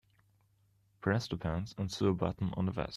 Press the pants and sew a button on the vest.